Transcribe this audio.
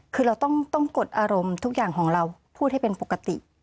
คือเราต้องกดอารมณ์ทุกอย่างของเราพูดให้เป็นปกติ